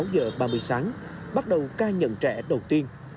sáu giờ ba mươi sáng bắt đầu ca nhận trẻ đầu tiên